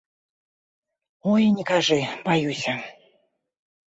Ой, не кажы, баюся.